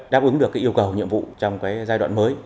đáp ứng được cái yêu cầu nhiệm vụ trong cái giai đoạn mới